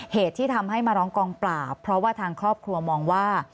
เหตุที่ทำให้มาร้องกองปราบเพราะว่าทางครอบครัวมองว่า